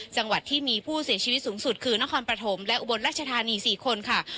จังหวัดที่มีผู้เสียชีวิตสูงสุดคือนครปฐมและอุบลรัชธานี๔คนค่ะ